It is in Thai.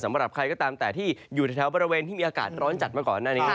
สำหรับใครก็ตามแต่ที่อยู่แถวบริเวณที่มีอากาศร้อนจัดมาก่อนหน้านี้